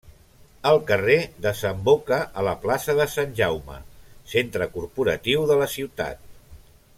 El carrer desemboca a la plaça de Sant Jaume, centre corporatiu de la ciutat.